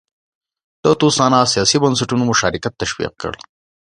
د تسوانا سیاسي بنسټونو مشارکت تشویق کړ.